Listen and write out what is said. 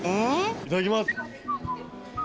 いただきます。